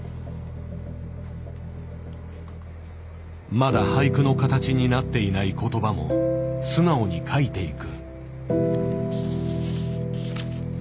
まだ俳句の形になっていない言葉も素直に書いていく。